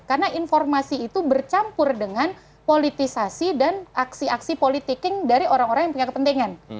karena informasi itu bercampur dengan politisasi dan aksi aksi politik dari orang orang yang punya kepentingan